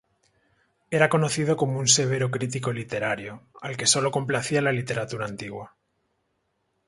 Era conocido como un severo crítico literario, al que sólo complacía la literatura antigua.